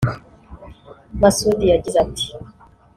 Masudi yagize ati